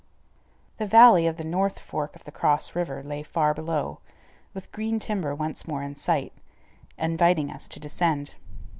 The valley of the north fork of the Cross River lay far below, with green timber once more in sight, inviting us to descend.